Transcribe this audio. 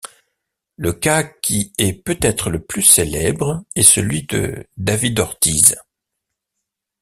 Le cas qui est peut-être le plus célèbre est celui de David Ortiz.